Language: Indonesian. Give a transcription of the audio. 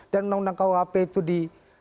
dan undang undang khuhp itu di